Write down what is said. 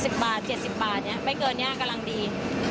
๖๐๗๐บาทนี้ไม่เกินนี้กำลังดี